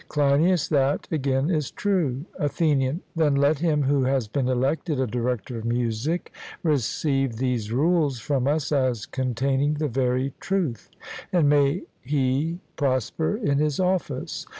CLEINIAS: That, again, is true. ATHENIAN: Then let him who has been elected a director of music receive these rules from us as containing the very truth; and may he prosper in his office!